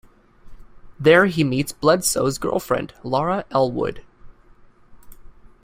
There he meets Bledsoe's girlfriend, Laura Elwood.